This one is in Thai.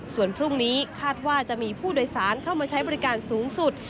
ส่วนพรุ่งนี้คาดว่าจะมีผู้โดยสารเข้ามาใช้บริการสูงสุด